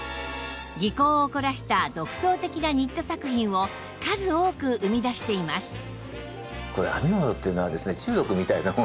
技巧を凝らした独創的なニット作品を数多く生み出しています